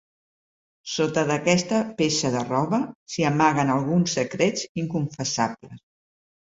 Sota d'aquesta peça de roba s'hi amaguen alguns secrets inconfessables.